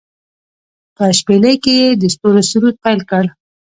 په شپیلۍ کې يې د ستورو سرود پیل کړ